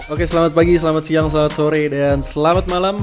oke selamat pagi selamat siang selamat sore dan selamat malam